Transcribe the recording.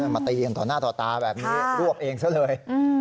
มาตีกันต่อหน้าต่อตาแบบนี้รวบเองซะเลย